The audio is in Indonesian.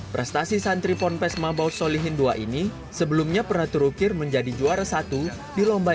prestasi santri pompes mambau solihin dua ini sebelumnya pernah terukir menjadi juara sejumlah